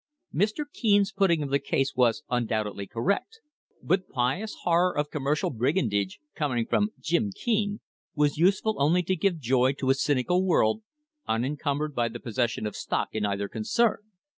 Mr. Keene's putting of the case was undoubtedly correct, but pious horror of commercial brigandage, coming from "Jim" Keene, was useful only to give joy to a cynical world, unencumbered by the possession of stock in either concern.